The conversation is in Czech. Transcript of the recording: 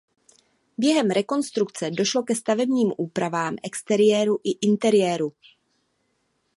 Během rekonstrukce došlo ke stavebním úpravám exteriéru i interiéru.